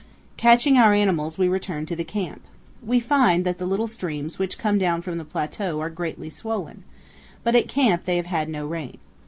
Catching our animals, we return to the camp. We find that the little streams which come down from the plateau are greatly swollen, but at camp they have had no rain.